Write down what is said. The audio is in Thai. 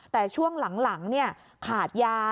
แต่ช่วงหลังเนี่ยขาดยา